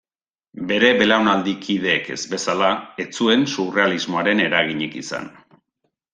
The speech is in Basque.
Bere belaunaldi kideek ez bezala, ez zuen surrealismoaren eraginik izan.